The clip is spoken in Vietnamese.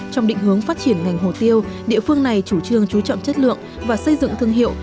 trong định hướng phát triển ngành hồ tiêu địa phương này chủ trương chú trọng chất lượng và xây dựng thương hiệu